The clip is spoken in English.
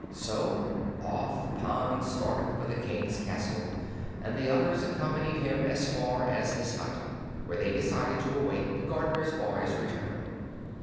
So off Pon started for the King's castle, and the others accompanied him as far as his hut, where they had decided to await the gardener's boy's return.